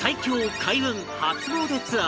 開運初詣ツアー